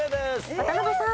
渡辺さん。